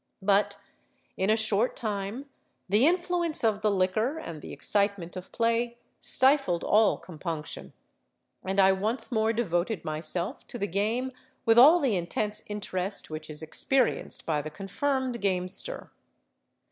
But in a short time the influence of the liquor and the excitement of play stifled all compunction; and I once more devoted myself to the game with all the intense interest which is experienced by the confirmed gamester.